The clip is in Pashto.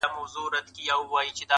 هله سي ختم، په اشاره انتظار,